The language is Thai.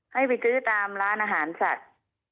ให้ไปซื้อตามร้านอาหารสัตว์